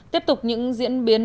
tiếp tục những diễn biến